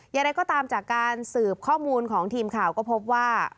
อย่างไรก็ตามจากการสืบข้อมูลของทีมข่าวก็พบว่า